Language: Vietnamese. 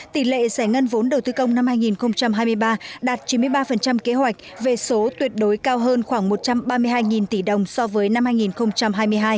tỷ lệ giải ngân vốn đầu tư công năm hai nghìn hai mươi ba đạt chín mươi ba kế hoạch về số tuyệt đối cao hơn khoảng một trăm ba mươi hai tỷ đồng so với năm hai nghìn hai mươi hai